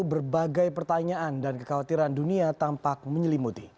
berbagai pertanyaan dan kekhawatiran dunia tampak menyelimuti